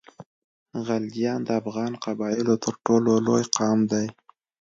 غلجیان د افغان قبایلو تر ټولو لوی قام دی.